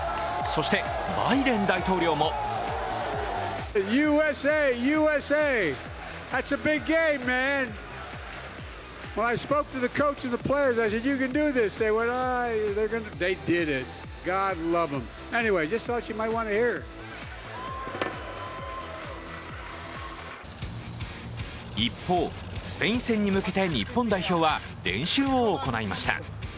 そしてバイデン大統領も一方、スペイン戦に向けて日本代表は練習を行いました。